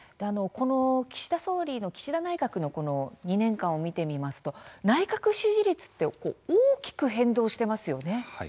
この岸田内閣の２年間を見てみますと内閣支持率って大きく変動していますね。